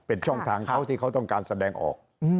เป็นช่องทางเขาที่เขาต้องการแสดงออก